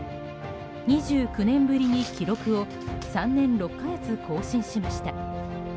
２９年ぶりに記録を３年６か月更新しました。